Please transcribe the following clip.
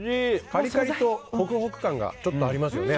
カリカリとホクホク感がちょっとありますよね。